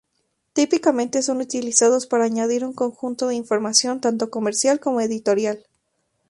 Típicamente son utilizados para añadir un conjunto de información tanto comercial como editorial.